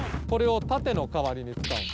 これを盾の代わりに使う。